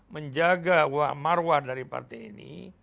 menjaga marwah dari partai ini